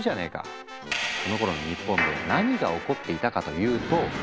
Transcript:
このころの日本で何が起こっていたかというとペストの流行。